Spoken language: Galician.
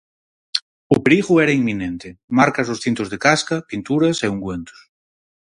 O perigo era inminente: marcas dos cintos de casca, pinturas e ungüentos.